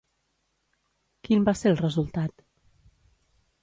Quin va ser el resultat?